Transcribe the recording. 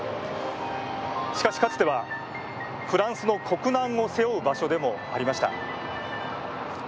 しかし、かつてはフランスの国難を背負う場所でもありました。